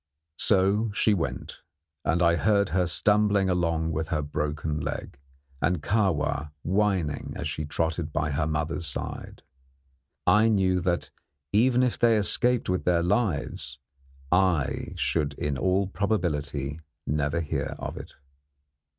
So she went, and I heard her stumbling along with her broken leg, and Kahwa whining as she trotted by her mother's side. I knew that, even if they escaped with their lives, I should in all probability never hear of it.